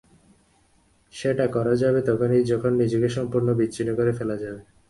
সেটা করা যাবে তখনই, যখন নিজেকে সম্পূর্ণ বিচ্ছিন্ন করে ফেলা যাবে!